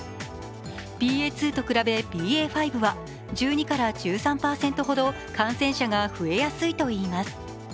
ＢＡ．２と比べＢＡ．５は１２１３％ほど感染者が増えやすいといいます。